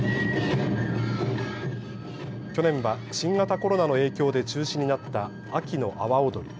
去年は新型コロナの影響で中止になった秋の阿波おどり。